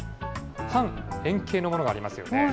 半円形の物がありますよね。